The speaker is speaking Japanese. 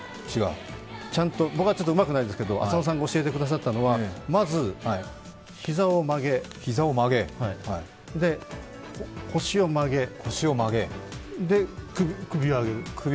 僕はうまくないんですけど浅野さんが教えてくださったのはまず、膝を曲げ、で、腰を曲げ、で、首を上げる。